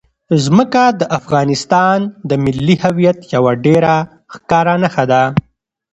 ځمکه د افغانستان د ملي هویت یوه ډېره ښکاره نښه ده.